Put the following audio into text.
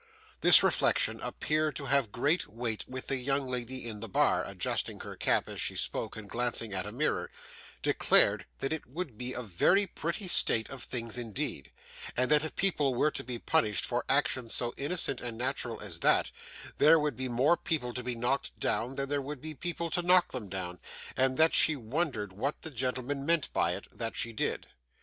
This reflection appeared to have great weight with the young lady in the bar, who (adjusting her cap as she spoke, and glancing at a mirror) declared that it would be a very pretty state of things indeed; and that if people were to be punished for actions so innocent and natural as that, there would be more people to be knocked down than there would be people to knock them down, and that she wondered what the gentleman meant by it, that she did.